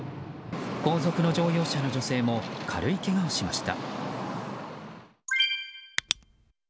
後続の乗用車の女性も軽いけがをしました。